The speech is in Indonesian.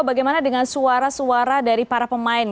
bagaimana dengan suara suara dari para pemain